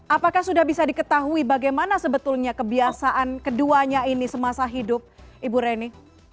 apakah sudah bisa diketahui bagaimana sebetulnya kebiasaan keduanya ini semasa hidup ibu reni